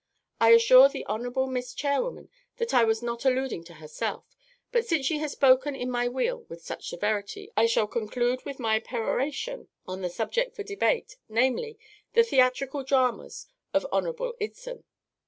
_) I assure the Hon'ble Miss CHAIRWOMAN that I was not alluding to herself, but since she has spoken in my wheel with such severity, I will conclude with my peroration on the subject for debate, namely, the theatrical dramas of Hon'ble IBSEN.